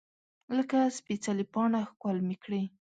لکه سپیڅلې پاڼه ښکل مې کړې